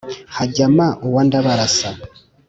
hajyama úwa ndábarása